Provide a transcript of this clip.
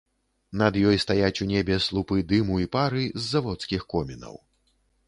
Над ёй стаяць у небе слупы дыму і пары з заводскіх комінаў.